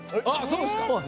あっそうですか。